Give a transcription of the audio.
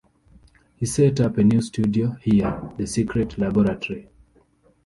He set up a new studio there, the 'secret laboratory'.